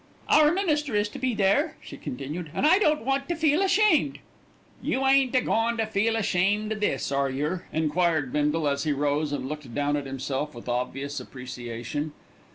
"Our minister is to be there," she continued, "and I don't want to feel ashamed." "You ain't a goin' to feel ashamed o' this, are yer?" enquired Bindle, as he rose and looked down at himself with obvious appreciation.